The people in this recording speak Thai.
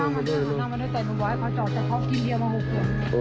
สวัสดีครับทุกคน